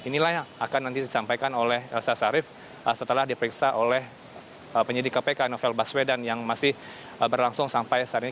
inilah yang akan nanti disampaikan oleh elsa syarif setelah diperiksa oleh penyidik kpk novel baswedan yang masih berlangsung sampai saat ini